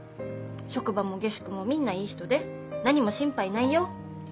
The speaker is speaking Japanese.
職場も下宿もみんないい人で何も心配ないよ。